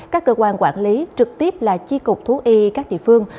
các cơ quan quản lý trực tiếp là chi cục thú y các địa phương